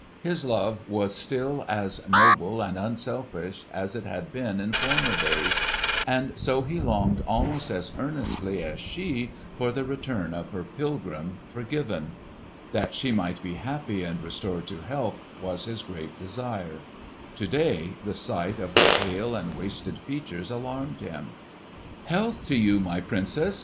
His love was still as noble and unselfish as it had been in former days, and so he longed almost as earnestly as she for the return of her pilgrim, forgiven. That she might be happy and restored to health was his great desire. To day the sight of her pale and wasted features alarmed him. "Health to you, my Princess!"